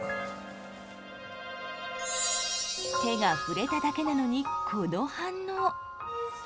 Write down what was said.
手が触れただけなのにこの反応。